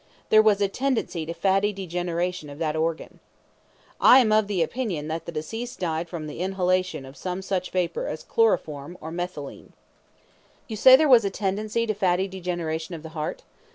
There was a tendency to fatty degeneration of that organ. I am of opinion that the deceased died from the inhalation of some such vapour as chloroform or methylene. Q. You say there was a tendency to fatty degeneration of the heart?